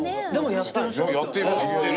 やってる。